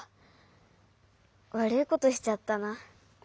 わるいことしちゃったな。